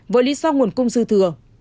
với lý do nguồn cung dư thừa